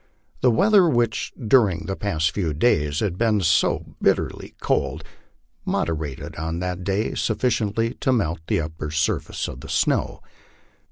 The weather, which during the past few days had been so bitterly cold, moderated on that day sufficiently to melt the upper surface of the snow.